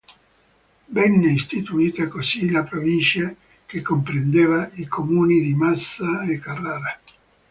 Venne istituita così la Provincia che comprendeva i comuni di Massa e Carrara.